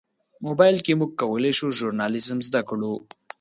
موبایل کې موږ کولی شو ژورنالیزم زده کړو.